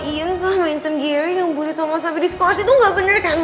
ian sama insem gieri yang bully thomas sampai discourse itu gak bener kan